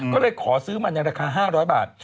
ก็เลยขอซื้อมาในราคา๕๐๐บาท